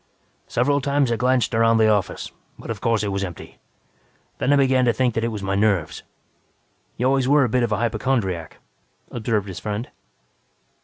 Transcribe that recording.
"Several times I glanced around the office, but of course it was empty. Then I began to think that it was my nerves." "You always were a bit of a hypochondriac," observed his friend.